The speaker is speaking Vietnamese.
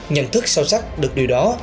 nhận thức sâu sắc được điều đó